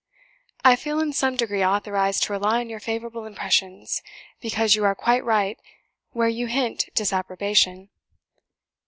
I feel in some degree authorised to rely on your favourable impressions, because you are quite right where you hint disapprobation.